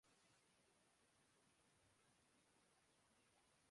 دل میں یہ احساس پیدا کیا کہ آزادی کتنی بڑی نعمت ہے